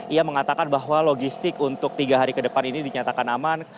ia mengatakan bahwa logistik untuk tiga hari ke depan ini dinyatakan aman